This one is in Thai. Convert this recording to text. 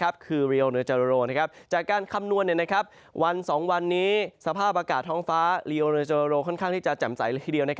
ภาพากาศท้องฟ้าลิโอราโยโรค่อนข้างที่จะจำใสทีเดียว